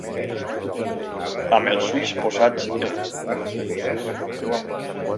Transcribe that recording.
Amb els ulls posats en.